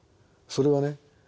それはね